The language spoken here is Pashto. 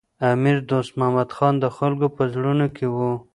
امیر دوست محمد خان د خلکو په زړونو کي و.